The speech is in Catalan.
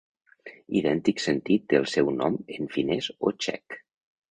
Idèntic sentit té el seu nom en finès o txec.